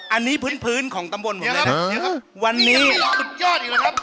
อันนี้พื้นของตำบลผมเลยนะครับ